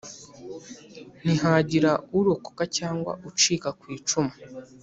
ntihagira urokoka cyangwa ucika ku icumu,